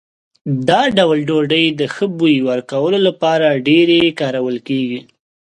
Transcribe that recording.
دا ډول ډوډۍ د ښه بوی ورکولو لپاره ډېرې کارول کېږي.